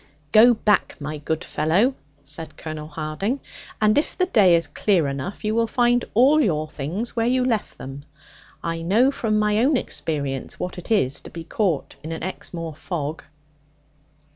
'Go back, my good fellow,' said Colonel Harding; 'and if the day is clear enough, you will find all your things where you left them. I know, from my own experience, what it is to be caught in an Exmoor fog.'